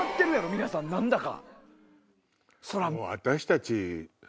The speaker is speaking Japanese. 皆さん何だか。